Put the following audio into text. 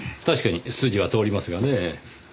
確かに筋は通りますがね。